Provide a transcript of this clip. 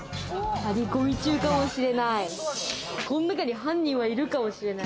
張り込み中かもしれない。